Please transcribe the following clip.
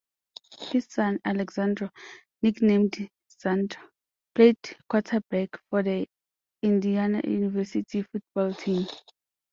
His son, Alexander, nicknamed Zander, played quarterback for the Indiana University football team.